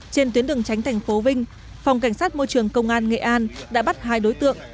trên tuyến đường tránh thành phố vinh phòng cảnh sát môi trường công an nghệ an đã bắt hai đối tượng